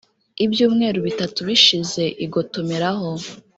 ibyumweru bitatu bishize igotomeraho